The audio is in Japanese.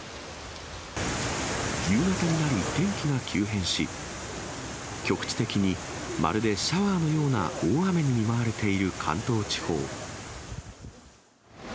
夕方になり天気が急変し、局地的にまるでシャワーのような大雨に見舞われている関東地方。